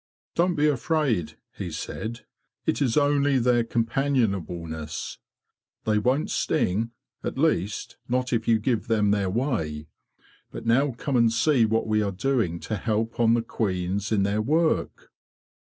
"Don't be afraid,' he said. ''It is only their companionableness. They won't sting—at least, not if you give them their way. But now come and see what we are doing to help on the queens in their work."